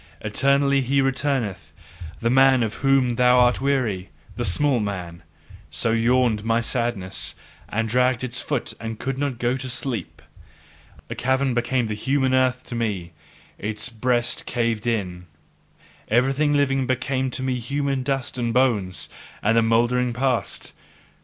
"Eternally he returneth, the man of whom thou art weary, the small man" so yawned my sadness, and dragged its foot and could not go to sleep. A cavern, became the human earth to me; its breast caved in; everything living became to me human dust and bones and mouldering past.